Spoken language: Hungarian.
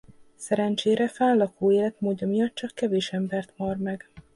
Szerencsére fán lakó életmódja miatt csak kevés embert mar meg.